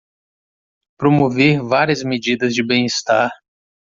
Promover várias medidas de bem-estar